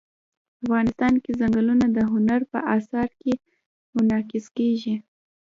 افغانستان کې ځنګلونه د هنر په اثار کې منعکس کېږي.